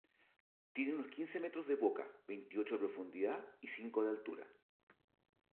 Tiene unos quince metros de boca, veintiocho de profundidad y cinco de altura.